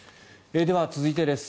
では、続いてです。